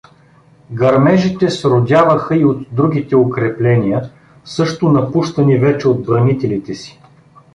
Гърмежите сродяваха и от другите укрепления, също напущани вече от бранителите си.